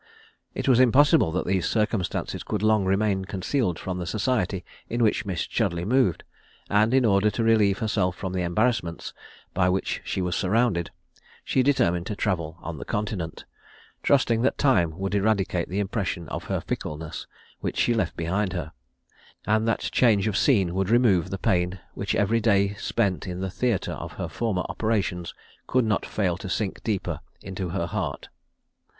It was impossible that these circumstances could long remain concealed from the society in which Miss Chudleigh moved; and, in order to relieve herself from the embarrassments by which she was surrounded, she determined to travel on the Continent trusting that time would eradicate the impression of her fickleness which she left behind her, and that change of scene would remove the pain which every day spent in the theatre of her former operations could not fail to sink deeper into her heart.